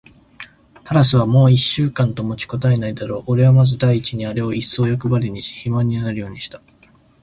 タラスはもう一週間と持ちこたえないだろう。おれはまず第一にあれをいっそうよくばりにし、肥満になるようにした。